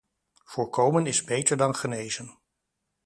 Voorkomen is beter dan genezen.